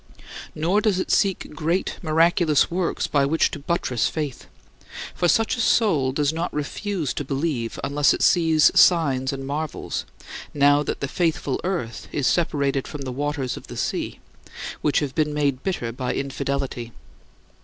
Nor does it seek great, miraculous works by which to buttress faith. For such a soul does not refuse to believe unless it sees signs and marvels, now that "the faithful earth" is separated from "the waters" of the sea, which have been made bitter by infidelity.